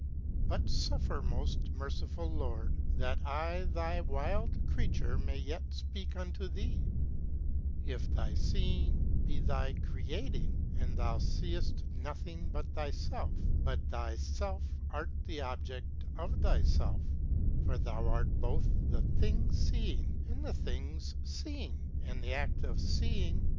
But fntfermoftmercinill Lord thar I thy vild Creature may yet fpeake onto thee ; If thy fceine be thy creating, and thou feeft nothing but thy felfe , MH thy fcleartthe object of thy felre, (for thou art both the tbi«g fee ing and the things feene, and the a a offeeing.